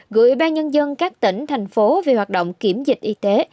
gửi ba nhân dân các tỉnh thành phố về hoạt động kiểm dịch y tế